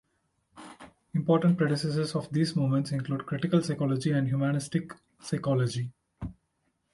Important predecessors of these movements include critical psychology and humanistic psychology.